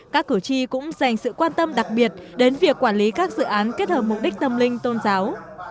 các cử tri cũng dành sự quan tâm đặc biệt đến việc quản lý các dự án kết hợp mục đích tâm linh tôn giáo